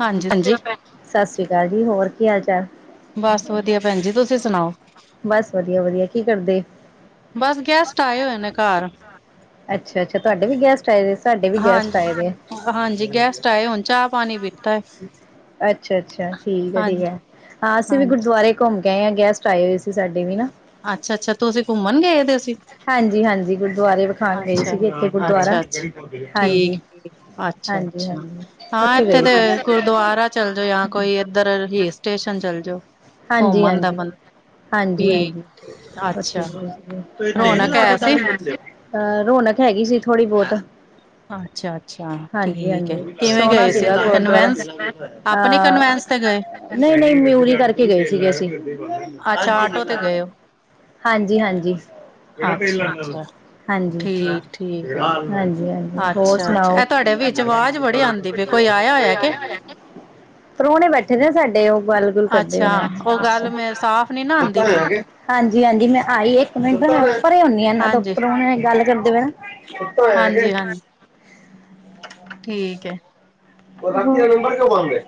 ਹਾਂਜੀ ਹਾਂਜੀ ਸਤਿ ਸ੍ਰੀ ਅਕਾਲ ਜੀ ਹੋਰ ਕੀ ਹਾਲ ਚਾਲ ਬਸ ਵਧੀਆ ਭੈਣ ਜੀ ਤੁਸੀਂ ਸੁਣਾਓ ਬਸ ਵਧੀਆ ਵਧੀਆ ਕੀ ਕਰਦੇ ਬਸ ਗੈਸਟ ਆਏ ਹੋਏ ਨੇ ਘਰ ਅੱਛਾ-ਅੱਛਾ, ਤੁਹਾਡੇ ਵੀ ਗੈਸਟ ਆਏ ਸਾਡੇ ਵੀ ਗੈਸਟ ਹਾਂਜੀ ਆਏ ਨੇ ਹਾਂਜੀ ਗੈਸਟ ਆਏ ਹੁਣ ਚਾਹ ਪਾਣੀ ਪੀਤਾ ਹੈ ਅੱਛਾ-ਅੱਛਾ, ਠੀਕ ਐ ਠੀਕ ਹਾਂਜੀ ਐ ਅਸੀਂ ਵੀ ਹਾਂਜੀ ਗੁਰਦੁਆਰੇ ਘੁੰਮ। ਆ ਗੈਸਟ ਆਏ ਹੋਏ ਸੀ ਸਾਡੇ ਵੀ ਨਾ ਅੱਛਾ-ਅੱਛਾ, ਤੁਸੀਂ ਘੁੰਮਣ ਗਏ ਤੇ ਅ ਸੀ। ਹਾਂਜੀ ਹਾਂਜੀ ਗੁਰਦੁਆਰੇ ਵਿਖਾਣ ਗਏ ਸੀਗੇ ਇੱਥੇ ਗੁਰਦੁਆਰਾ ਅੱਛਾ-ਅੱਛਾ-ਅੱਛਾ ਹਾਂਜੀ ਠੀਕੀ ਹਾਂਜੀ ਅੱਛਾ-ਅੱਛਾ ਹਾਂਜੀ ਹਾਂ, ਉੱਥੇ ਇੱਥੇ ਗਏ ਤੇ ਸੀ ਗੁਰਦੁਆਰਾ ਚੱਲ ਜਾ ਜਾਂ ਕੋਈ‌ ਏਧਰ ਹੀਲ ਸਟੇਸ਼ਨ ਚੱਲ ਜਾਓ ਹਾਂਜੀ ਘੁੰਮਣ ਦਾ ਹਾਂਜੀ ਬੰਦਾ ਹਾਂਜੀ ਹਾਂਜੀ ਠੀਕ ਉੱਥੇ ਅੱਛਾ ਗਏ ਸੀਗੇ ਰੌਣਕ ਹੈ ਸੀ। ਹਾਂਜੀ ਅਹ ਰੌਣਕ ਹੈਗੀ ਸੀ ਥੋੜ੍ਹੀ ਬਹੁਤ ਅੱਛਾ ਅੱਛਾ ਠੀਕ ਹੈ ਹਾਂਜੀ-ਹਾਂਜੀ, ਕਿਵੇਂ ਸੋਹਣਾ ਗਏ ਸੀ ਸੀਗਾ ਗੁਰਦੁਆਰਾ ਕਨਵੈਂਸ ਆਪਣੇ ਅਹ ਕਨਵੈਂਸ ਤੇ ਗਏ ਨਹੀਂ-ਨਹੀਂ ਮਿਊਰੀ ਕਰਕੇ ਗਏ ਸੀਗੇ ਅਸੀਂ, ਅੱਛਾ ਆਟੋ ਹਾਂਜੀ ਤੇ ਗਏ ਹੋ ਹਾਂਜੀ ਕਿਹੜਾ ਤੇਲ ਅੱਛਾ ਲੈਣਾ ਲੈ ਲਓ। ਅੱਛਾ ਹਾਂਜੀ ਠੀਕ ਠੀਕ ਹੈ ਹਾਂਜੀ ਹੋਰ ਅੱਛਾ ਅੱਛਾ ਸੁਣਾਓ ਇਹ ਤੁਹਾਡੇ ਵਿੱਚ ਆਵਾਜ਼ ਬੜੀ ਆਉਂਦੀ ਪਈ ਕੋਈ ਆਇਆ ਹੋਇਆ ਕੇ ਪ੍ਰੋਹੁਣੇ ਬੈਠੇ ਨੇ ਸਾਡੇ ਉਹ ਗੱਲ ਗੁੱਲ ਕਰਦੇ ਅੱਛਾ ਹੋਣੇ ਉਹ ਗੱਲ ਮੈਂ ਸਾਫ਼ ਨੀ ਨਾ ਆਉਂਦੀ ਪਈ। ਹਾਂਜੀ ਹਾਂਜੀ ਮੈਂ ਆਈ ਇੱਕ ਮਿੰਟ ਪਰੇ ਹੁੰਦੀ ਇਹਨਾਂ ਤੋਂ ਹਾਂਜੀ ਪਰਾਉਣੇ ਗੱਲ ਕਰਦੇ ਪਏ ਹਾਂਜੀ ਨਾ। ਹਾਂਜੀ ਠੀਕ ਹੈ [unintelligible] ਹੋਰ।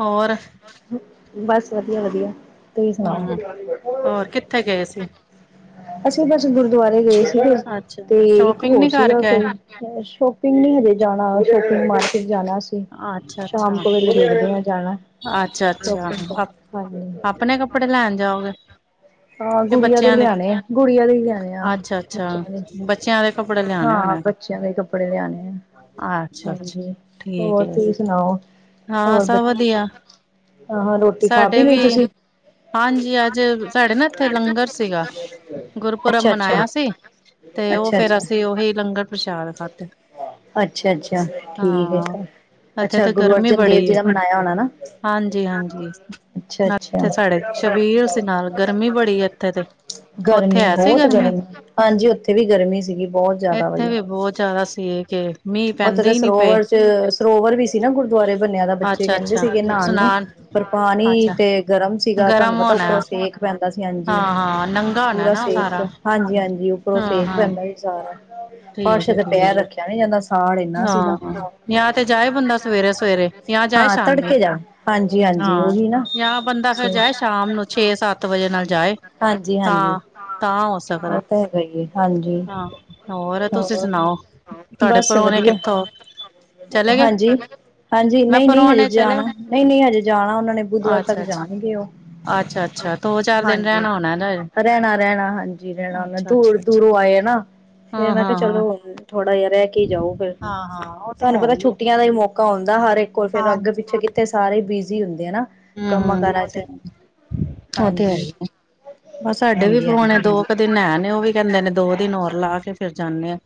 ਹੋਰ ਬਸ ਵਧੀਆ ਵਧੀਆ ਤੁਸੀਂ ਸੁਣਾਓ? ਹਮ ਹੋਰ ਕਿੱਥੇ ਗਏ ਸੀ ਅਸੀਂ ਬਸ ਗੁਰਦੁਆਰੇ ਗਏ ਸੀ। ਅੱਛਾ ਤੇ ਇੱਕ ਸ਼ੋਪਿੰਗ ਹੋਰ ਨੀ ਸੀਗਾ ਕਰਕੇ ਆਏ ਫਿਰ ਸ਼ੋਪਿੰਗ ਨੀ ਹਜੇ ਜਾਣਾ, ਸ਼ੋਪਿੰਗ ਮਾਲ ਜਾਣਾ ਅੱਛਾ ਸ਼ਾਮ ਅੱਛਾ ਕੋ ਵੇਲੇ ਠੀਕ ਦੇਖਦੇ ਹ ਜਾਣਾ ਅੱਛਾ ਅੱਛਾ ਸ਼ੋਪਿੰਗ ਆਪ- ਹਾਂਜੀ ਆਪਣੇ ਕੱਪੜੇ ਲੈਣ ਜਾਓਗੇ ਹਾਂ। ਕਿ ਗੁੜੀਆਂ ਦੇ ਬੱਚਿਆਂ ਲਿਆਣੇ ਆ ਗੁੜੀਆਂ ਦੇ ਲਿਆਣੇ ਆ ਅੱਛਾ ਅੱਛਾ ਬੱਚਿਆ ਦੇ ਬੱਚਿਆਂ ਦੇ ਕੱਪੜੇ ਲਿਆਣੇ ਹਾਂ ਹੋਣੇ ਬੱਚਿਆਂ ਦੇ ਕੱਪੜੇ ਲਿਆਣੇ ਆ ਅੱਛਾ ਅੱਛਾ ਹਾਂਜੀ। ਠੀਕ ਹੋਰ ਹੈ ਤੁਸੀਂ ਸੁਣਾਓ! ਹ [unintelligible] ਹਾਂ ਸਭ ਵਧੀਆ। ਹਾਂ ਹਾਂ ਰੋਟੀ ਖਾ ਸਾਡੇ ਪੀ ਲਈ ਵੀ ਤੁਸੀਂ ਹਾਂਜੀ ਅੱਜ ਸਾਡੇ ਨਾ ਇੱਥੇ ਲੰਗਰ ਸੀਗਾ ਗੁਰਪੁਰਬ ਅੱਛਾ ਅੱਛਾ। ਮਨਾਇਆ ਸੀ ਤੇ ਉਹ ਫਿਰ ਅਸੀਂ ਉਹੀ ਲੰਗਰ ਪ੍ਰਸ਼ਾਦ ਖਾਧੇ ਅੱਛਾ ਅੱਛਾ ਠੀਕ ਹੈ ਹਾਂ ਤੇ ਇੱਥੇ ਅੱਛਾ ਤਾਂ ਗੁਰੂ ਗਰਮੀ ਅਰਜਨ ਦੇਵ ਬੜੀ ਜੀ ਹੈ ਦਾ ਮਨਾਇਆ ਹੋਣਾ ਨਾ ਹਾਂਜੀ ਹਾਂਜੀ ਅੱਛਾ ਨਾਲ ਅੱਛਾ ਇੱਥੇ ਸਾਡੇ ਸ਼ਬੀਲ ਸੀ ਨਾਲ ਗਰਮੀ ਬੜੀ ਇੱਥੇ ਤੇ ਉੱਥੇ ਗਰਮੀ ਹੈ ਸੀ ਬਹੁਤ ਗਰਮੀ ਹਾਂਜੀ ਉੱਥੇ ਵੀ ਗਰਮੀ ਸੀਗੀ ਬਹੁਤ ਜ਼ਿਆਦਾ ਇੱਥੇ ਵਧੀ ਵੀ ਬਹੁਤ ਜ਼ਿਆਦਾ ਸੀ ਕਿ ਮੀਂਹ ਉਥੇ ਪੈਂਦੇ ਤਾਂ ਹੀ ਨੀ ਪਏ ਸਰੋਵਰ ਚ ਸਰੋਵਰ ਵੀ ਸੀ ਨਾ ਦੁਆਰੇ ਬੰਨਿਆ ਦਾ ਬੱਚੇ ਅੱਛਾ ਕਹਿੰਦੇ ਅੱਛਾ ਸੀਗੇ ਨਹਾਣ ਨੂੰ ਸੁਨਾਨ ਪਰ ਪਾਣੀ ਅੱਛਾ ਤੇ ਗਰਮ ਸੀਗਾ ਤੁਹਾਨੂੰ ਗਰਮ ਪਤਾ ਹੋਣਾ ਉੱਪਰੋਂ ਸੇਕ ਪੈਂਦਾ ਸੀ। ਹਾਂ ਹਾਂਜੀ ਹਾਂ ਨੰਗਾ ਹੋਣਾ ਪੂਰਾ ਨਾ ਉਹ ਸੇਕ ਸਾਰਾ ਹਾਂਜੀ ਹਾਂਜੀ ਉੱਪਰੋਂ ਹਾਂ ਸੇਕ ਹਾਂ ਪੈਂਦਾ ਸੀ ਸਾਰਾ। ਠੀਕ ਫਰਸ਼ ਹੈ ਤੇ ਠੀਕ ਪੈਰ ਹੈ ਰੱਖਿਆ ਨੀ ਜਾਂਦਾ ਸੀ ਹਾਂ ਜਾਂ ਤੇ ਜਾਏ ਬੰਦਾ ਸਵੇਰੇ ਸਵੇਰੇ ਜਾਂ ਜਾਏ ਹਾਂ ਸ਼ਾਮੀ ਤੜਕੇ ਜਾ ਹਾਂਜੀ ਹਾਂਜੀ ਹਾਂ ਉਹੀ ਨਾ ਜਾਂ ਬੰਦਾ ਫੇਰ ਜਾਏ ਸ਼ਾਮ ਨੂੰ ਛੇ ਸੱਤ ਵਜੇ ਨਾਲ ਜਾਏ ਹਾਂਜੀ ਤਾਂ ਹਾਂਜੀ ਤਾਂ ਹੋ ਉਹ ਸਕਦਾ ਤਾਂ ਹੈਗਾ ਹੀ ਹਾਂਜੀ ਹਾਂ ਹੋਰ ਤੁਸੀਂ ਸੁਣਾਓ ਤੁਹਾਡੇ ਬਸ ਪਰੋਣੇ ਵਧੀਆ ਕਿੱਥੋਂ ਚਲੇ ਗਏ ਹਾਂਜੀ ਹਾਂਜੀ ਮੈਂ ਨਹੀਂ ਨਹੀਂ ਹਜੇ ਪਰੋਣੇ ਚਲੇ ਜਾਣਾ ਨਹੀਂ ਨਹੀਂ ਹਜੇ ਜਾਣਾ ਉਹਨਾਂ ਨੇ ਬੁੱਧਵਾਰ ਤੱਕ ਅੱਛਾ ਅੱਛਾ ਜਾਣਗੇ ਉਹ ਅੱਛਾ ਅੱਛਾ ਦੋ ਚਾਰ ਦਿਨ ਹਾਂਜੀ ਰਹਿਣਾ ਹੋਣਾ ਰਹਿਣਾ ਰਹਿਣਾ ਹਾਂਜੀ ਰਹਿਣਾ ਉਹਨਾ ਅੱਛਾ ਦੂਰ ਅੱਛਾ ਅੱਛਾ ਦੂਰੋਂ ਆਏ ਨਾ ਫੇਰ ਹਾਂ ਮੈਂ ਕਿਹਾ ਹਾਂ ਹਾਂ ਚਲੋ ਹੁ ਥੋੜਾ ਜਿਹਾ ਰਹਿ ਕੇ ਜਾਓ ਫਿਰ ਹਾਂ ਹਾਂ ਉਹ ਤੇ ਤੁਹਾਨੂੰ ਹੈ ਪਤਾ ਹੈ ਛੁੱਟੀਆਂ ਦਾ ਹੀ ਮੌਕਾ ਕੌਣ ਦਾ ਹਰ ਇੱਕ ਵਰ ਫੇਰ ਅੱਗ ਪਿੱਛੇ ਕਿੱਥੇ ਸਾਰੇ ਬਿਜ਼ੀ ਹੁੰਦੇ ਆ ਨਾ। ਹੂ ਕੰਮਾਂ ਹੂ ਕਾਰਾਂ ਔ ਚ ਤੇ ਔ ਤੇ ਹੈ ਹਾਂਜੀ, ਹੀ ਐ, ਬਸ ਸਾਡੇ ਵੀ ਹਾਂਜੀ, ਹਾਂਜੀ ਪੋਣੇ ਦੋ ਕੁ ਦਿਨ ਹੈ, ਨੇ ਉਹ ਵੀ ਕਹਿੰਦੇ ਨੇ ਦੋ ਦਿਨ ਹੋਰ ਲਾ ਕੇ ਫਿਰ ਜਾਂਨੇ ਆਂ।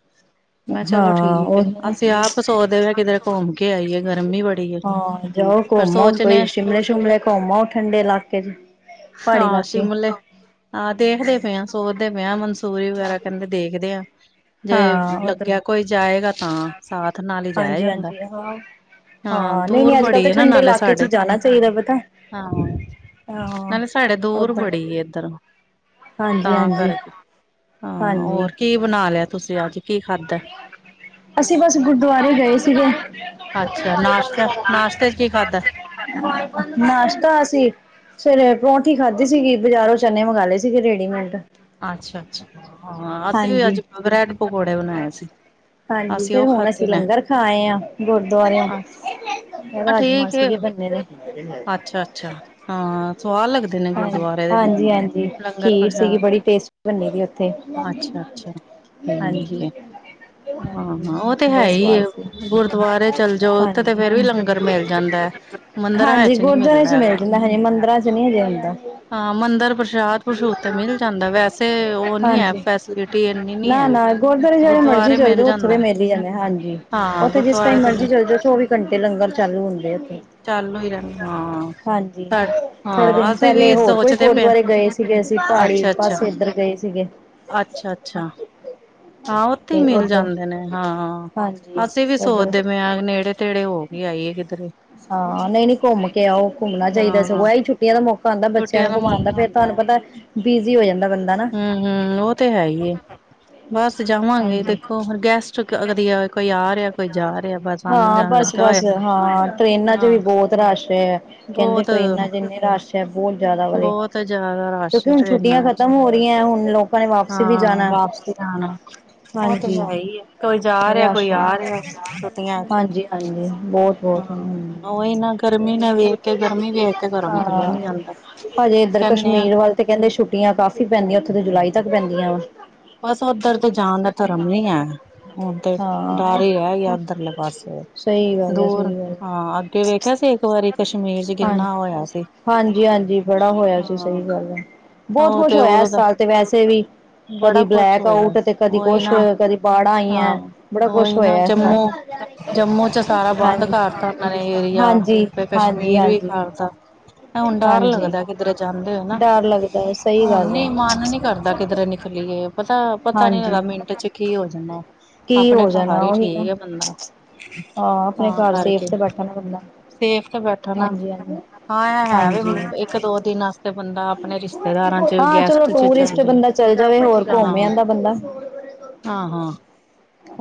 ਮੈਂ ਕਿਹਾ ਚਲੋ ਹਾਂ ਠੀਕ ਹੈ ਉਹੀ ਨਾ। ਅਸੀਂ ਆਪ ਸੋਚਦੇ ਪਏ ਕਿਧਰ ਘੁੰਮ ਕੇ ਆਈ ਆ ਗਰਮੀ ਬੜੀ ਐ, ਹਾਂ ਜਾਓ ਪਰ ਘੁੰਮ ਆਓ ਸੋਚਨ ਕੋਈ ਹ ਸ਼ਿਮਲੇ ਸ਼ੁਮਲੇ ਘੁੰਮ ਆਔ ਠੰਡੇ ਇਲਾਕੇ ਚ, ਪਹਾੜੀ ਹਾਂ ਇਲਾਕੇ ਸ਼ਿਮਲੇ ਤੇ ਵੀਆਹ ਮੰ ਮੂਵੀ ਵਗੈਰਾ ਕਹਿੰਦੇ ਦੇਖਦੇ ਆਂ। ਜੇ ਹਾਂ ਉੱਧਰ ਲੱਗਿਆ ਕੋਈ ਜਾਏਗਾ ਤਾਂ ਸਾਥ ਨਾਲ ਹੀ ਜਾਇਆ ਹਾਂਜੀ, ਜਾਂਦਾ ਹਾਂਜੀ ਹਾਂ। ਹਾਂ, ਨਹੀਂ, ਦੂਰ ਨਹੀਂ ਅੱਜ ਕੱਲ੍ਹ ਬੜੀ ਤਾਂ ਆ ਨਾ ਠੰਡੇ ਨਾਲੇ ਇਲਾਕੇ ਚ ਹੀ ਸਾਡੇ ਜਾਣਾ ਚਾਹੀਦਾ ਪਤਾ ਹਾਂ ਹਾਂ। ਨਾਲੇ ਸਾਡੇ ਦੂਰ ਓਦਾਂ ਬੜੀ ਇੱਧਰੋਂ - ਹਾਂਜੀ, ਤਾਂ ਹਾਂਜੀ, ਕਰਕੇ, ਹਾਂ ਹਾਂਜੀ ਹੋਰ ਕੀ ਬਣਾ ਲਿਆ। ਤੁਸੀਂ ਅੱਜ ਕੀ ਖਾਧਾ? ਅਸੀਂ ਬਸ ਗੁਰਦੁਆਰੇ ਗਏ ਸੀਗੇ। ਅੱਛਾ ਨਾਸ਼ਤਾ ਨਾਸ਼ਤੇ ਚ ਕੀ ਖਾਧਾ? ਨਾਸ਼ਤਾ ਅਸੀਂ ਸਵੇਰੇ ਪਰੌਂਠੀ ਖਾਧੀ ਸੀਗੀ ਬਾਜ਼ਾਰੋਂ ਚਨੇ ਮੰਗਵਾ ਲਏ ਸੀਗੇ ਰੇਡੀਮੇਡ। ਅੱਛਾ ਅੱਛਾ ਹਾਂ, ਅਸੀਂ ਵੀ ਹਾਂਜੀ। ਅੱਜ ਬ੍ਰੈਡ ਪਕੌੜੇ ਬਣਾਏ ਸੀ। ਹਾਂਜੀ ਅਸੀਂ ਫਿਰ ਉਹ ਹੁਣ ਖਾਧੇ ਅਸੀਂ ਨੇ, ਲੰਗਰ ਖਾ ਆਏ ਆਂ ਗੁਰਦੁਆਰਿਆਂ ਅੱਛਾ ਰਾਜਮਾਂ ਸੀਗੇ ਬੰਨੇ ਦੇ ਅੱਛਾ ਅੱਛਾ ਹਾਂ ਸਵਾਦ ਲੱਗਦਾ ਹਾਂ ਹਾਂਜੀ ਹਾਂਜੀ ਖੀਰ ਸੀਗੀ ਪ੍ਰਸ਼ਾਦ ਬੜੀ ਟੇਸਟੀ ਬਣੀ ਦੀ ਉਥੇ, ਅੱਛਾ-ਅੱਛਾ। ਹਾਂਜੀ ਠੀਕ ਏ, ਹਾਂ-ਹਾਂ ਉਹ ਤੇ ਹੈ ਬਹੁਤ ਹੀ ਸਵਾਦ ਏ, ਸੀ ਗੁਰਦੁਆਰੇ ਚੱਲ ਜਾਓ ਉੱਥੇ ਤੇ ਫੇਰ ਵੀ ਲੰਗਰ ਮਿਲ ਜਾਂਦਾ ਐ, ਮੰਦਿਰਾਂ ਹਾਂਜੀ। ਵਿੱਚ ਨੀ ਗੁਰਦੁਆਰੇ ਮਿਲਦਾ ਚ ਮਿਲ ਹੈਗਾ। ਜਾਂਦਾ ਹਜੇ, ਮੰਦਿਰਾਂ ਚ ਨਹੀਂ ਹਜੇ ਹੁੰਦਾ। ਹਾਂ ਮੰਦਿਰ ਪ੍ਰਸ਼ਾਦ-ਪ੍ਰਸ਼ੂਦ ਤੇ ਮਿਲ ਜਾਂਦਾ ਵੈਸੇ ਉਹ ਨੀ ਹੈ ਹਾਂਜੀ ਫੈਸਿਲਿਟੀ ਇੰਨੀ ਨੀ ਨਾ ਹੈ। ਨਾ ਗੁਰਦੁਆਰੇ ਜਿਹੜੇ ਮਰਜੀ ਗੁਰਦੁਆਰੇ ਚੱਲ ਮਿਲ ਜਾਓ ਉੱਥੇ ਦੇ ਜਾਂਦਾ, ਮੇਲੇ ਜਾਂਦੇ ਹਾਂਜੀ ਹਾਂ ਉੱਥੇ ਜਿਸ ਗੁਰਦੁਆਰੇ ਟਾਈਮ ਤੇ ਮਰਜੀ ਚੱਲੇ ਜਾਓ, ਚੌਵੀ ਘੰਟੇ ਲੰਗਰ ਚਾਲੂ ਹੁੰਦੇ ਉਥੇ। ਚਾਲੂ ਹੀ ਰਹਿੰਦਾ ਹਾਂ ਸਚ, ਹਾਂ ਦਿਨ ਅਸਥ ਅਸੀਂ ਪਹਿਲੇ ਵੀ ਹੋਰ ਕੋਈ ਸੋਚਦੇ ਪਏ ਆ। ਗੁਰਦੁਆਰੇ ਗਏ ਸੀਗੇ ਅਸੀਂ ਪਹਾੜੀ ਅੱਛਾ-ਅੱਛਾ। ਪਾਸੇ ਇੱਧਰ ਗਏ ਸੀਗੇ। ਅੱਛਾ-ਅੱਛਾ। ਹਾਂ ਉੱਥੇ ਤੇ ਮਿਲ ਉੱਧਰ ਜਾਂਦੇ ਨੇ ਹਾਂ। ਹਾਂਜੀ ਅਸੀਂ ਵੀ ਇੱਧਰ ਸੋਚਦੇ ਪਏ ਹਾਂ ਨੇੜੇ ਤੇੜੇ ਹੋ ਕੇ ਆਈਏ ਕਿਧਰੇ। ਕਿਉਂ ਘੁੰਮਣਾ ਚਾਹੀਦਾ ਸਗੋਂ ਐ ਹੀ ਛੁੱਟੀਆਂ ਦਾ ਮੌਕਾ ਆਉਂਦਾ ਬੱਚਿਆਂ ਛੁੱਟਿਆਂ ਨੂੰ ਦਾ ਘੁਮਾਉਣ ਮੌਕਾ ਫੇਰ ਹੁੰਦਾ ਤੁਹਾਨੂੰ ਆ। ਪਤਾ ਬਿਜ਼ੀ ਹੋ ਜਾਂਦਾ ਬੰਦਾ ਨਾ ਹੂ ਹੂ ਔ ਤੇ ਹੈ ਹੀ ਏ। ਬਸ ਜਾਵਾਂਗੇ ਹਾਂਜੀ ਦੇਖੋ ਹੁਣ ਗੈਸਟ ਅ ਕਦੀ ਕੋਈ ਆ ਰਿਹਾ ਕੋਈ ਜਾ ਰਿਹਾ, ਬਸ ਆਨ ਹਾਂ ਜਾਣ ਲੱਗਾ ਹੋਆ। ਬਸ-ਬਸ ਹਾਂ। ਅੱ ਕਹਿੰਦੇ ਬਹੁਤ ਟ੍ਰਰੇਨਾਂ ਚ ਇੰਨੇ ਰਸ਼ ਬਹੁਤ ਜ਼ਿਆਦਾ ਵੇ। ਬਹੁਤ ਜ਼ਿਆਦਾ ਰਸ਼ ਕਿਉਂਕਿ ਹੁਣ ਛੁੱਟੀਆਂ ਟ੍ਰੇਨਾਂ ਚ ਖਤਮ ਹੋ ਰਹੀਆਂ ਹੁਣ, ਲੋਕਾਂ ਨੇ ਵਾਪਸੀ ਵੀ ਹਾਂ ਜਾਣਾ। ਵਾਪਸੀ ਆਣਾ ਉਹ ਤੇ ਹਾਂਜੀ ਹੈ ਹੀ ਹੈ ਕੋਈ ਜਾ ਰਿਹਾ ਕੋਈ ਰਸ਼। ਆ ਰਿਹਾ ਛੁੱਟੀਆਂ ਚ ਹਾਂਜੀ-ਹਾਂਜੀ ਬਹੁਤ-ਬਹੁਤ ਹਾਂ ਉਹੀ ਨਾ ਹਾਂ। ਗਰਮੀ ਨੇ ਵੇਖ ਕੇ ਗਰਮੀ ਵੇਖ ਕੇ ਘਰੋਂ ਨਿਕਲਿਆ ਨ ਹਜੇ ਇੱਧਰ ਕਸ਼ਮੀਰ ਵੱਲ ਤੇ ਕਹਿੰਦੇ ਛੁੱਟੀਆਂ ਕਾਫ਼ੀ ਪੈਂਦੀਆਂ ਉੱਥੇ ਤਾਂ ਜੁਲਾਈ ਤੱਕ ਪੈਂਦੀਆਂ ਵਾ। ਬਸ ਉਧਰ ਤੇ ਜਾਣ ਦਾ ਧਰਮ ਨੀ ਹੈ ਹੁਣ ਤੇ ਡਰ ਹਾਂ ਹੀ ਰਹਿ ਗਿਆ ਉੱਧਰਲੇ ਪਾਸੇ ਸਹੀ ਗੱਲ ਹੈ ਦੂਰ ਸਹੀ ਗੱਲ ਹਾਂ ਅੱਗੇ ਵੇਖਿਆ ਸੀ ਇੱਕ ਵਾਰੀ ਕਸ਼ਮੀਰ ਚ ਕਿੰਨਾ ਹਾਂ ਹੋਇਆ ਸੀ। ਹਾਂਜੀ-ਹਾਂਜੀ, ਬੜਾ ਹੋਇਆ ਸੀ ਹਾਂ ਸਹੀ ਗੱਲ ਆ, ਬਹੁਤ ਉਹ ਕੁਸ਼ ਤੇ ਹੋਇਆ ਉਦੋਂ ਇਸ ਦਾ ਸਾਲ ਤੇ ਵੈਸੇ ਵੀ ਬੜਾ ਕਦੀ ਕੁਛ ਬਲੈਕ ਹੋਇਆ ਆਊਟ ਤੇ ਕਦੀ ਉਹੀ ਕੁਛ ਨਾ ਕਦੀ ਬਾੜਾ ਹਾਂ ਆਈਆਂ ਬੜਾ ਕੁਛ ਉਹੀ ਨਾ ਹੋਇਆ, ਜੰਮੂ ਜੰਮੂ ਚ ਸਾਰਾ ਬੰਦ ਕਰਤਾ ਉਹਨਾਂ ਨੇ ਏਰੀਆ ਫਿਰ ਕਸ਼ਮੀਰ ਵੀ ਹਾਂਜੀ-ਹਾਂਜੀ-ਹਾਂਜੀ-ਹਾਂਜੀ। ਕਰਤਾ ਹੁਣ ਡਰ ਲੱਗਦਾ ਕਿਧਰੇ ਜਾਂਦੇ ਹੋ ਨਾ, ਲੱਗਦਾ ਐ ਸਹੀ ਹੁਣ ਗੱਲ ਐ ਨੀ ਮਨ ਨੀ ਕਰਦਾ ਕਿਧਰੇ ਨਿਕਲੀਏ ਪਤਾ, ਪਤਾ ਨਹੀਂ ਹਾਂਜੀ। ਹੈਗਾ ਮਿੰਟ ਚ ਕੀ ਹੋ ਜਾਣਾ। ਕੀ ਹੋ ਜਾਣਾ ਉਹੀ ਨਾ, ਹਾਂ ਆਪਣੇ ਘਰ ਸੇਫ ਤੇ ਬੈਠਾ ਨਾ ਬੰਦਾ। ਥ ਬੈਠਾ ਨਾ, ਹਾਂਜੀ-ਹਾਂਜੀ, ਹਾਂ ਇਹ ਹੈ ਹਾਂਜੀ ਵੀ ਇੱਕ ਦੋ ਹਾਂਜੀ ਦਿਨ ਵਾਸਤੇ ਬੰਦਾ ਆਪਣੇ ਰਿਸ਼ਤੇਦਾਰਾਂ ਚ ਹਾਂ ਚਲੋ ਗੈਸਟ ਚ ਚੱਲ ਟੂਰਿਸਟ ਜੇ। ਬੰਦਾ ਚੱਲ ਜਾਵੇ ਹੋਰ ਘੁੰਮ ਹਾਂ-ਹਾਂ-ਹਾਂ, ਆਂਦਾ ਬੰਦਾ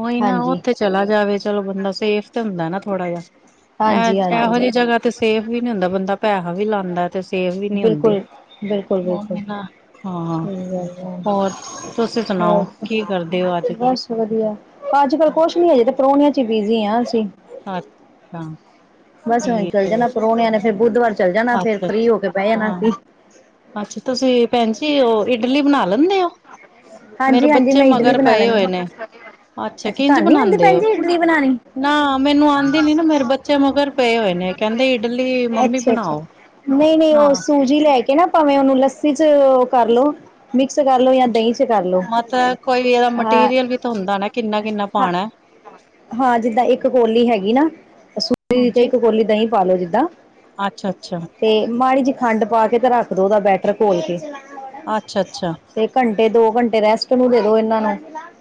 ਉਹੀ ਨਾ ਹਾਂਜੀ। ਉੱਥੇ ਚਲਾ ਜਾਵੇ ਚਲੋ ਬੰਦਾ ਸੇਫ ਤੇ ਹੁੰਦਾ। ਨਾ ਥੋੜਾ ਜਿਹਾ। ਐ ਇਹੋ ਹਾਂਜੀ-ਹਾਂਜੀ ਜਿਹੀ ਜਗ੍ਹਾ ਤੇ ਸੇਫ ਵੀ ਨੀ ਹੁੰਦਾ ਬੰਦਾ ਪੈਹਾ ਵੀ ਲਾਂਦਾ। ਤੇ ਸੇਫ ਵੀ ਨਹੀ ਹੁੰਦੀ, ਬਿਲਕੁਲ, ਬਿਲਕੁਲ-ਬਿਲਕੁਲ ਹਾਂ ਸਹੀ ਗੱਲ ਐ। ਹੋਰ? ਤੁਸੀਂ ਸੁਣਾਓ ਹੋਰ ਕੀ ਕਰਦੇ ਹੋ ਅੱਜ ਕੱਲ? ਬਸ ਵਧੀਆ, ਅੱਜ ਕਲ ਕੁਛ ਨੀ ਹਜੇ ਤੇ ਪ੍ਰਾਹੁਣੀਆਂ ਚੀ ਬਿਜੀ ਹਾਂ ਅਸੀ। ਅੱਛਾ। ਬਸ ਹੁਣ ਠੀਕ ਚੱਲ ਜਾਣਾ ਪ੍ਰੋਹਨਿਆ ਨੇ ਫਿਰ ਬੁੱਧਵਾਰ ਚੱਲ ਜਾਣਾ ਫੇਰ ਅੱਛਾ ਫਰੀ ਹੋ ਕੇ ਬਹਿ ਅੱਛਾ ਜਾਣਾ ਅਸੀਂ। ਹਾਂ। ਅੱਛਾ ਤੁਸੀਂ ਭੈਣ ਜੀ ਉਹ ਇਡਲੀ ਬਣਾ ਲੈਨੇ ਔ? ਹਾਂਜੀ-ਹਾਂਜੀ ਮੈਂ ਇਡਲੀ ਬਣਾ ਲੈਣੀ ਆ, ਅੱਛਾ ਕਿੰਝ ਤੁਹਾਨੂੰ ਨੀ ਆਉਂਦੀ ਬਣਾਉਂਦੇ ਭੈਣ ਹੋ? ਜੀ ਇਡਲੀ ਬਣਾਣੀ? ਨਾ ਮੈਨੂੰ ਆਦੀ ਨੀ ਨਾ ਮੇਰੇ ਬੱਚੇ ਮਗਰ ਪਏ ਹੋਏ ਨੇ ਕਹਿੰਦੇ ਇਡਲੀ ਮੰਮੀ ਅੱਛਾ-ਅੱਛਾ। ਬਣਾਓ ਨਈ-ਨਈ ਹਾਂ। ਉਹ ਸੂਜੀ ਲੈ ਕੇ ਨਾ ਭਾਵੇਂ ਉਹਨੂੰ ਲੱਸੀ ਚ ਕਰਲੋ ਮਿਕਸ ਕਰ ਲੋ ਜਾ ਦਹੀਂ ਚ ਕਰ ਲੋ। ਮਤਬ ਕੋਈ ਵੀ ਇਹਦਾ ਹਾਂ, ਮਟੀਰੀਅਲ ਵੀ ਤੇ ਹੁੰਦਾ ਨਾ ਕਿੰਨਾ-ਕਿੰਨਾ ਹਾਂ ਪਾਣਾ। ਹਾਂ ਜਿੱਦਾਂ ਇੱਕ ਕੋਲੀ ਹੈਗੀ ਨਾ ਸੂਜੀ ਦੀ ਤੇ ਇੱਕ ਕੋਲੀ ਦਹੀਂ ਪਾਲੋ ਜਿੱਦਾਂ ਅੱਛਾ ਅੱਛਾ ਤੇ ਮਾੜੀ ਜੀ ਖੰਡ ਪਾ ਕੇ ਤੇ ਰੱਖ ਦੋ ਉਹਦਾ ਬੈਟਰ ਘੋਲ ਕੇ ਅੱਛਾ ਤੇ ਘੰਟੇ ਦੋ ਘੰਟੇ ਰੈਸਟ ਨੂੰ ਦੇ ਦੋ ਇਹਨਾਂ ਨੂੰ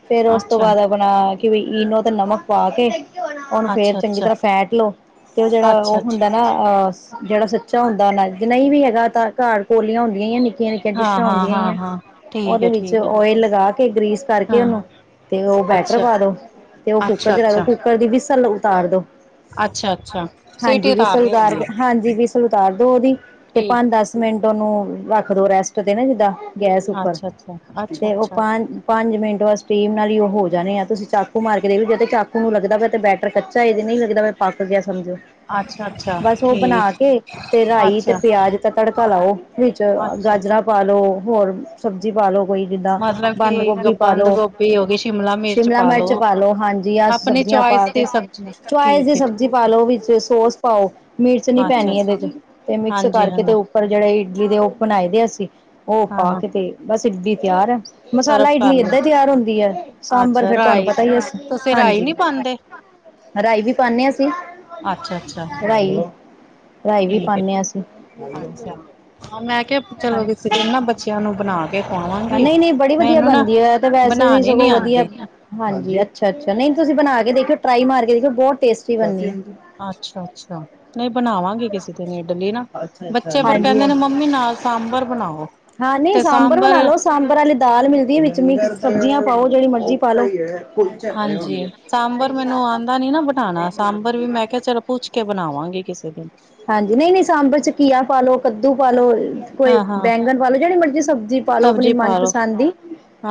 ਫੇਰ ਅੱਛਾ ਉਸ ਤੋਂ ਅੱਛਾ ਬਾਅਦ ਆਪਣਾ ਕਿ [unintelligible] ਤੇ ਨਮਕ ਪਾ ਕੇ ਉਹਨੂੰ ਫੇਰ ਅੱਛਾ ਚੰਗੀ ਅੱਛਾ ਤਰ੍ਹਾਂ ਫੈਟ ਲੋ ਤੇ ਉਹ ਜਿਹੜਾ ਅੱਛਾ ਉਹ ਅੱਛਾ ਹੁੰਦਾ ਨਾ ਅਹ ਜਿਹੜਾ ਸੱਚਾ ਹੁੰਦਾ ਨਾ ਨਹੀਂ ਵੀ ਹੈਗਾ ਤਾਂ ਘਰ ਕੋੋਲੀਆਂ ਹੁੰਦੀਆਂ ਹੀ ਨੀ। ਨਿੱਕੀਆਂ ਨਿੱਕੀਆਂ ਹਾਂ ਡਿਸ਼ਾਂ ਹਾਂ ਆਉਂਦੀਆਂ ਹਾਂ ਆਂ ਹਾਂ ਠੀਕ ਉਹਦੇ ਹੈ ਵਿੱਚ ਠੀਕ ਹੈ ਓਇਲ ਲਗਾ ਕੇ ਗ੍ਰੀਸ ਕਰਕੇ ਹਾਂ ਉਹਨੂੰ ਹਾਂ ਤੇ ਉਹ ਬੈਟਰ ਅੱਛਾ ਪਾ ਦੋ ਤੇ ਉਹ ਕੁੱਕਰ ਅੱਛਾ 'ਚ ਰੱਖੋ ਅੱਛਾ ਕੁੱਕਰ ਦੀ ਵੀਸਲ [unintelligible] ਉਤਾਰ ਦੋ ਅੱਛਾ ਅੱਛਾ ਹਾਂਜੀ ਸੀਟੀ ਵੀਸਲ ਉਤਾਰਨੀ ਉਤਾਰ ਹੁੰਦੀ ਕੇ ਹੈ ਹਾਂਜੀ ਵੀਸਲ ਉਤਾਰ ਦੋ ਦੀ ਤੇ ਠੀਕ ਪੰਜ ਦਸ ਮਿੰਟ ਤੇ ਉਨੂੰ ਰੱਖ ਦੋ ਰੈਸਟ ਤੇ ਨਾ ਜਿੱਦਾਂ ਗੈਸ ਉੱਪਰ ਅੱਛਾ ਅੱਛਾ ਅੱਛਾ ਤੇ ਉਹ ਅੱਛਾ ਪੰਜ- ਪੰਜ ਮਿੰਟ ਸਟੀਮ ਨਾਲ ਹੀ ਉਹ ਹੋ ਜਾਣੇ ਆ ਤੁਸੀ ਚੱਕ ਮਾਰ ਦੇ ਵੀ ਤੇ ਚਾਕੂ ਨੂੰ ਲੱਗਦਾ ਵਾ ਤੇ ਬੈਟਰ ਕੱਚਾ ਇਹਦੇ ਨਹੀਂ ਲੱਗਦਾ ਪੱਕ ਗਿਆ। ਸਮਝੋ, ਅੱਛਾ ਅੱਛਾ ਬਸ ਉਹ ਠੀਕ ਬਣਾ ਕੇ ਤੇ ਰਾਈ ਤੇ ਅੱਛਾ ਪਿਆਜ ਤੇ ਤੜਕਾ ਲਾਓ ਵਿੱਚ ਅੱਛਾ ਗਾਜਰਾਂ ਪਾਲੋ ਹੋਰ ਸਬਜ਼ੀ ਪਾਲੋ ਮਤਲਬ ਕਿ ਬੰਦ ਗੋਭੀ ਹੋ ਗਈ ਸ਼ਿਮਲਾ ਮਿਰਚ ਪਾ ਲੋੋ ਪਾਲੋ ਹਾਂਜੀ ਆ ਸਬਜ਼ੀਆਂ ਪਾ ਕੇ ਸਬਜ਼ੀਆਂ [inaudible] ਚੋਇਸ ਦੀ ਠੀਕ ਹੈ ਸਬਜ਼ੀ ਪਾ ਲੋ ਵਿੱਚ ਸੋਸ ਪਾਓ ਮਿਰਚ ਨੀ ਅੱਛਾ ਪੈਣੀ ਅੱਛਾ ਇਹਦੇ 'ਚ ਤੇ ਮਿਕਸ ਹਾਂਜੀ ਕਰਕੇ ਤੇ ਹਾਂਜੀ ਉੱਪਰ ਜਿਹੜੇ ਜਿਨੇ ਦੇ ਉਹ ਬਣਾਏ ਦੇ ਅਸੀਂ ਉਹ ਪਾ ਹਾਂ-ਹਾਂ ਕਿਤੇ ਬਸ ਸਿੱ [unintelligible] ਤਿਆਰ ਐ। ਮਸਾਲਾ ਸਰਫ ਕਰ ਇਡਲੀ ਲੋ ਏਦਾਂ ਹੀ ਤਿਆਰ ਹੁੰਦੀ ਹੈ ਸਾਂਬਰ ਅੱਛਾ ਫਿਰ ਤੁਹਾਨੂੰ ਰਾਈ ਪਤਾ ਹੀ ਅ ਤੁਸੀਂ ਰਾਈ ਹਾਂਜੀ ਨੀ ਪਾਂਦੇ? ਰਾਈ ਵੀ ਪਾਣੇ ਹਾਂ ਅਸੀਂ ਅੱਛਾ-ਅੱਛਾ ਰਾਈ ਰਾਈ ਵੀ ਠੀਕ ਹੈ ਪਾਉਂਦੇ ਹਾਂ ਅਸੀਂ ਅੱਛਾ ਹਾਂ ਮੈਂ ਕਿਹਾ ਚਲੋ ਹਾਂ ਕਿਸੇ ਨਾ ਬੱਚਿਆਂ ਨੂੰ ਅਪਣਾ ਨਹੀਂ -ਨਹੀਂ ਬੜੀ ਵਧੀਆ ਬਣਦੀ ਹੈ ਤੇ ਵੈਸੇ ਵੀ ਬਣਾਣੀ ਨੀ ਸਗੋਂ ਵਧੀਆ ਆਂਦੀ ਹਾਂਜੀ ਅੱਛਾ -ਅੱਛਾ ਨਹੀਂ ਤੁਸੀਂ ਬਣਾ ਕੇ ਦੇਖਿਓ ਟ੍ਰਾਈ ਮਾਰ ਕੇ ਦੇਖਿਓ ਬਹੁਤ ਟੇਸਟੀ ਬਣਦੀ। ਅੱਛਾ ਅੱਛਾ ਨਹੀਂ ਬਣਾਵਾਂਗੇ। [unintelligible] ਕਿਸੇ ਤੇ ਨ ਇਡਲੀ ਨਾ ਬੱਚੇ ਪਰ ਹਾਂਜੀ ਕਹਿੰਦੇ ਨੇ ਮੰਮੀ ਨਾਲ ਸਾਂਬਰ ਬਣਾਓ ਤੇ ਸਾਂਬਰ ਪੇਲੇ ਦਾਲ ਮਿਲਦੀ ਹੈ ਵਿੱਚ ਸਬਜ਼ੀਆਂ ਪਾਓ ਜਿਹੜੀ ਮਰਜੀ ਪਾ ਲਓ। ਹਾਂਜੀ ਸਾਂਬਰ ਮੈਨੂੰ ਆਂਦਾ ਨੀ ਨਾ ਬਣਾਣਾ, ਸਾਂਬਰ ਵੀ ਮੈਂ ਕਿਹਾ ਚਲੋ ਪੁੱਛ ਕੇ ਬਣਾਵਾਂਗੇ ਕਿਸੇ ਦਿਨ ਹਾਂਜੀ ਨਹੀਂ -ਨਹੀਂ ਸਾਂਬਰ 'ਚ ਘੀਆ ਪਾਲੋ, ਕੱਦੂ ਪਾ ਲੋ। ਕੋਈ ਹਾਂ-ਹਾਂ ਬੈਂਗਣ ਪਾ ਲੋ। ਜਿਹੜੀ ਮਰਜ਼ੀ ਸਬਜ਼ੀ ਪਾਲੋ ਆਪਣੀ ਸਬਜ਼ੀ ਪਾ ਲੋ ਮਨਪਸੰਦ ਦੀ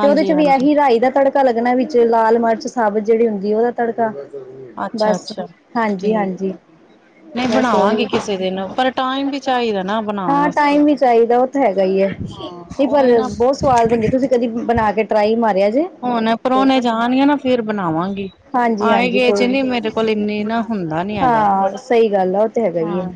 ਤੇ ਉਹਦੇ 'ਚ ਵੀ ਆਹੀ ਰਾਈ ਦਾ ਤੜਕਾ ਤੜਕਾ ਲੱਗਣਾ ਵਿੱਚ ਲਾਲ ਮਿਰਚ ਸਾਬਤ ਜਿਹੜੀ ਹੁੰਦੀ ਉਹਦਾ ਤੜਕਾ ਬਸ ਅੱਛਾ-ਅੱਛਾ ਹਾਂਜੀ ਠੀਕ ਹਾਂਜੀ ਨਹੀਂ ਬਣਾ ਬਸ ਆਵਾਂਗੀ ਉਹੀ ਕਿਸੇ ਦਿਨ ਪਰ ਟਾਈਮ ਵੀ ਚਾਹੀਦਾ ਨਾ ਬਣਾਣ ਹਾਂ ਆਸਤੇ। ਟਾਈਮ ਵੀ ਚਾਹੀਦਾ ਉਹ ਹੈਗਾ ਈ ਹੈ। ਹਾਂ ਨਹੀਂ ਪਰ ਉਹੀ ਨਾ ਬਹੁਤ ਸਵਾਦ ਬਣਦੇ ਤੁਸੀਂ ਕਦੀ ਬਣਾ ਕੇ ਟ੍ਰਾਈ ਮਾ ਹੁਣ ਪਰੁਣੇ ਜੰਗ ਫਿਰ ਬਣਾਵਾਂਗੀ। ਹਾਂਜੀ ਆਏ ਹਾਂਜੀ ਗਏ ਚ ਕੋਈ ਨੀ ਨ ਮੇਰੇ ਕੋਲ ਇੰਨੀ ਨਾ ਹੁੰਦਾ ਨੀ ਹੈਗਾ। ਹਾਂ ਸਹੀ ਗੱਲ ਆ ਉਹ ਤੇ ਹੈਗਾ ਹੀ ਹਾਂ, ਹੈ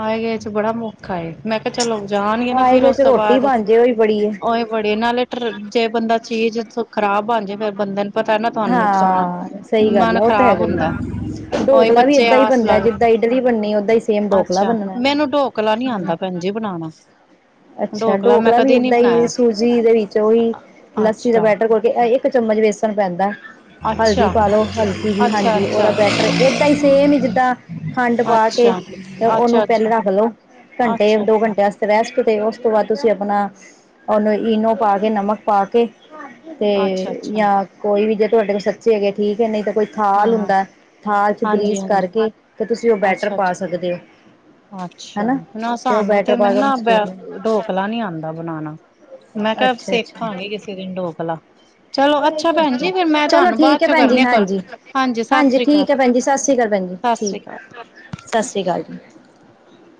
ਆਏਗੇ ਚ ਬੜਾ ਔਖਾ ਏ। ਮੈਂ ਕਿਹਾ ਚਲੋ ਜਾਣਗੇ ਨਾ ਫਿਰ ਆਏਗਾ ਉਸ ਚ ਤੋਂ ਰੋਟੀ ਬਾਅਦ ਬਣ ਜੇ ਉਹੀ ਬੜੀ ਹੈ ਓ ਬੜੇ ਨਾਲੇ ਜੇ ਬੰਦਾ ਚੀਜ਼ ਆਹ ਬਣ ਜੇ ਫੇਰ ਬੰਦੇ ਪਤਾ ਨਾ ਤੁਹਾਨੂੰ ਨੁਕਸਾਨ ਹਾਂ, ਸਹੀ ਗੱਲ ਐ। ਮਨ ਉਹ ਤਾਂ ਖ਼ਰਾਬ ਹੈਗਾ ਹੀ ਹੁੰਦਾ ਆ। ਉਹੀ ਡੋਕਲਾ ਵੀ ਬੱਚੇ ਏਦਾਂ ਹੀ ਆਸ ਬਣਦਾ। ਲੱਗ ਜਿੱਦਾਂ ਇਡਲੀ ਬਣਨੀ, ਓਦਾਂ ਹੀ ਸੇਮ ਡੋਕਲਾ ਅੱਛਾ ਬਣਣਾ। ਮੈਨੂੰ ਢੋਕਲਾ ਨੀ ਆਂਦਾ ਭੈਣ ਜੀ ਬਣਾਣਾ ਅੱਛਾ ਢੋਕਲਾ ਮੈਂ ਡੋਕਲਾ ਵੀ ਕਦੇ ਨਹੀਂ ਏਦਾਂ ਹੀ ਬਣਾਇਆ ਸੂਜੀ ਦੇ ਵਿੱਚ ਉਹੀ ਲੱਸੀ ਦਾ ਅੱਛਾ ਬੈਟਰ ਕੋਲ ਕੇ ਚਮਚ ਪੈਂਦਾ। ਹਲਦੀ ਅੱਛਾ ਪਾ ਲਓ। ਹਲਕੀ ਜੀ। ਅੱਛਾ ਹਾਂਜੀ, ਅੱਛਾ ਉਹਦਾ ਬੈਟਰ ਏਦਾਂ ਹੀ ਸੇਮ ਹੀ ਜਿੱਦਾਂ ਖੰਡ ਪਾ ਕੇ ਅੱਛਾ ਉਹਨੂੰ ਅੱਛਾ ਅੱਛਾ ਅੱਛਾ ਪਹਿਲ ਰੱਖ ਲਓ। ਘੰਟੇ ਅੱਛਾ ਦੋ ਘੰਟੇ ਵਾਸਤੇ ਰੈਸਟ ਤੇ ਉਸ ਤੋਂ ਬਾਅਦ ਤੁਸੀਂ ਆਪਣਾ ਉਹਨੂੰ ਇਨੋ ਪਾ ਕੇ ਨਮਕ ਪਾ ਕੇ ਤੇ ਅੱਛਾ ਅੱਛਾ ਜਾਂ ਕੋ ਵੀ ਜੇ ਤੁਹਾਡ ਕੋਲ ਸੱਚੇ ਹੈਗੇ ਠੀਕ ਹੈ ਨਹੀਂ ਤਾਂ ਕੋਈ ਥਾਲ ਹਾਂ, ਹੁੰਦਾ। ਥਾਲ ਚ ਹਾਂਜੀ, ਗ੍ਰੀਸ ਹਾਂਜੀ। ਕਰਕੇ ਤੇ ਤੁਸੀਂ ਉਹ ਬੈਟਰ ਅੱਛਾ, ਪਾ ਸਕਦੇ ਹੋ ਅੱਛਾ, ਹਨਾ। ਅੱਛਾ। ਉਹ ਸਾਨੂੰ ਬੈਟਰ ਤੇ ਪਾ ਕੇ ਮੈਨੂੰ ਉਹਨੂੰ ਨਾ ਸਟੀਮ ਬ ਢੋਕਲਾ ਨੀ ਆਦਾ ਬਣਾਉਣਾ। ਮੈਂ ਕਿਹਾ ਅੱਛਾ ਅੱਛਾ ਅੱਛਾ ਸਿੱਖਾਂਗੀ ਕਿਸੇ ਦਿਨ ਡੋਕਲਾ। ਚਲੋ ਅੱਛਾ ਭੈਣ ਜੀ ਫਿਰ ਮੈਂ ਚਲੋ ਤੁਹਾਨੂੰ ਬਾਅਦ ਠੀਕ ਹੈ ਚੋਂ ਭੈਣ ਜੀ ਕਰਨੀ ਆ ਕੋਲ ਹਾਂਜੀ ਸਤਿ ਹਾਂਜੀ, ਸ੍ਰੀ ਅਕਾਲ ਠੀਕ ਹੈ। ਭੈਣ ਜੀ। ਸਤਿ ਸ੍ਰੀ ਅਕਾਲ। ਭੈਣ ਜੀ। ਸਤਿ ਸ੍ਰੀ ਠੀਕ ਅਕਾਲ ਸਤਿ ਸ੍ਰੀ ਅਕਾਲ। [inaudible]